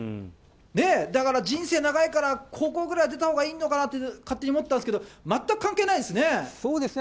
だから人生長いから、高校ぐらい出たほうがいいのかなと勝手に思ってたんですけど、全く関係ないですね。